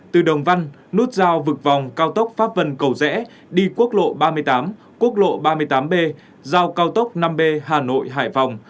từ đồng văn nút giao vực vòng cao tốc pháp vân cầu rẽ đi quốc lộ ba mươi tám quốc lộ ba mươi tám b giao cao tốc năm b hà nội hải phòng